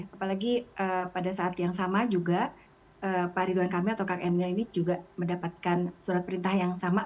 apalagi pada saat yang sama juga pak ridwan kamil atau kang emil ini juga mendapatkan surat perintah yang sama